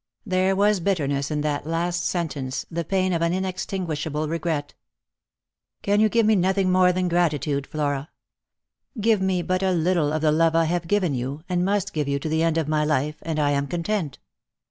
There was bitterness in that last sentence, the pain of an inextinguishable regret. " Can you give me nothing more than gratitude, Flora P Give me but a little of the love I have given you, and must give you to the end of my life, and I am content.